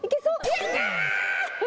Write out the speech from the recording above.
やったー！